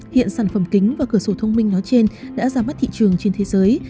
hiện sản phẩm kính và cửa sổ thông minh nói trên đã ra mắt thị trường trên thế giới